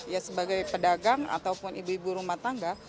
ya sebagai pedagang ataupun ibu ibu rumah tangga